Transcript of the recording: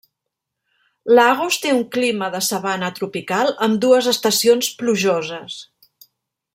Lagos té un clima de sabana tropical amb dues estacions plujoses.